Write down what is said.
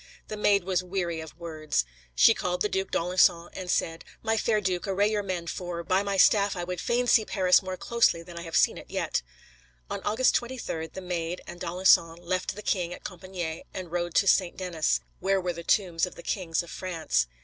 The Maid was weary of words. She called the Duc d'Alençon and said: "My fair duke, array your men, for, by my staff, I would fain see Paris more closely than I have seen it yet." On August 23, the Maid and d'Alençon left the king at Compičgne and rode to St. Denis, where were the tombs of the kings of France.